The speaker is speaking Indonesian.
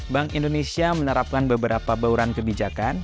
bank indonesia menerapkan beberapa bauran kebijakan